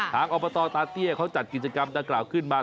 อบตตาเตี้ยเขาจัดกิจกรรมดังกล่าวขึ้นมา